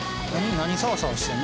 何さわさわしてんの？